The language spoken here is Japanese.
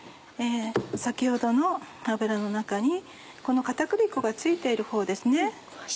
先ほどの油の中に片栗粉が付いているほうですね。